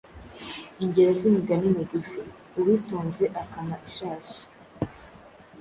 Ingero z’imigani migufi:Uwitonze akama ishashi.